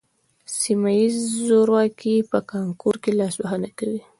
سیمه ییز زورواکي په کانکور کې لاسوهنه کوي